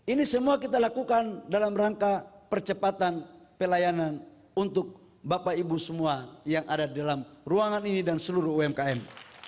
ini semua kita lakukan dalam rangka percepatan pelayanan untuk bapak ibu semua yang ada di dalam ruangan ini dan seluruh umkm